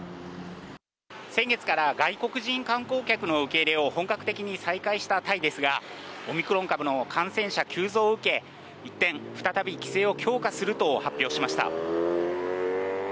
先月から外国人観光客の受け入れを本格的に再開したタイですが、オミクロン株の感染者急増を受け、一転、再び規制を強化すると発表しました。